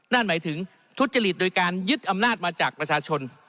นั่นหมายถึงทุจริตโดยการยึดอำนาจมาจากประชาชน